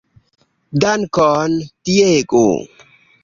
Dankon Diego!